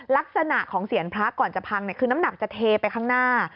ลักษณะของเสียงพระก่อนจะพังคือน้ำหนักจะเทไปข้างหน้า